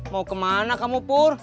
mau kemana kamu pur